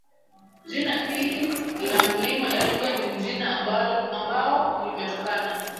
jina hili la mlima elgon ni jina ambao limetokana